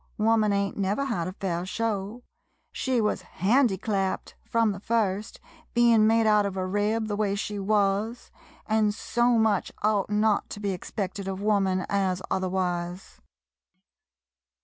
Woman ain't never had a fair show — she was handiclapped frum the first, bein' made out of a rib, the way she wuz, an' so much ought not to be expected of woman as otherwise.